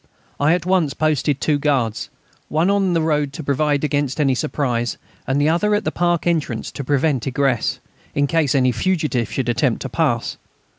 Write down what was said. I at once posted two guards, one on the road to provide against any surprise and the other at the park entrance to prevent egress, in case any fugitive should attempt to pass.